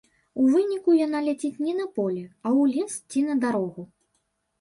У выніку яна ляціць не на поле, а ў лес ці на дарогу.